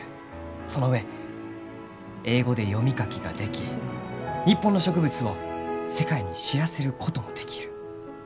その上英語で読み書きができ日本の植物を世界に知らせることもできる。